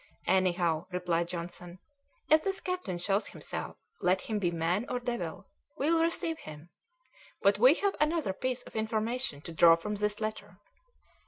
"Anyhow," replied Johnson, "if this captain shows himself, let him be man or devil, we'll receive him; but we have another piece of information to draw from this letter."